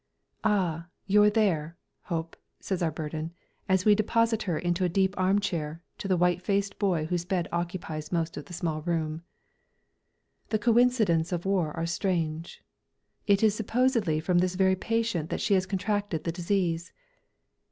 "Ah! You're there, Hope," says our burden, as we deposit her in a deep arm chair, to the white faced boy whose bed occupies most of the small room. The coincidents of war are strange! It is supposedly from this very patient that she has contracted the disease.